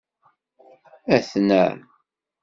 Aten-a!